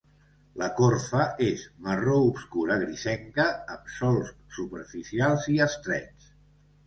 La corfa és marró obscura grisenca amb solcs superficials i estrets.